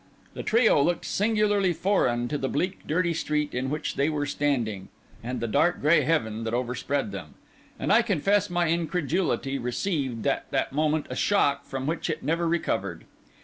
The trio looked singularly foreign to the bleak dirty street in which they were standing, and the dark grey heaven that overspread them; and I confess my incredulity received at that moment a shock from which it never recovered.